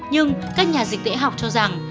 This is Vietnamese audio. nhưng các nhà dịch tế họng cho rằng